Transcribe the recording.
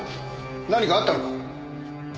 何かあったのか？